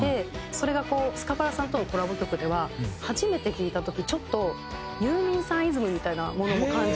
それがこうスカパラさんとのコラボ曲では初めて聴いた時ちょっとユーミンさんイズムみたいなものも感じて。